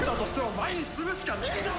前に進むしかねえだろ！